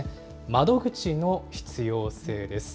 窓口の必要性です。